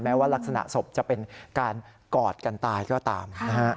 ว่ารักษณะศพจะเป็นการกอดกันตายก็ตามนะฮะ